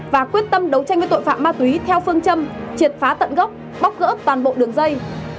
và quyết tâm đấu tranh với tội phạm ma túy theo phương châm triệt phá tận gốc bóc gỡ toàn bộ đường dây